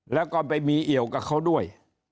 แล้วก็ไปมีเอี่ยวกับเขาด้วย